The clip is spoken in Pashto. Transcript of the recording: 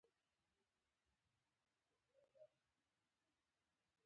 فلم د ژوند ښکلا ده